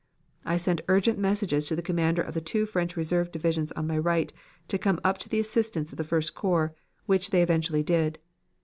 I sent urgent messages to the commander of the two French reserve divisions on my right to come up to the assistance of the First Corps, which they eventually did.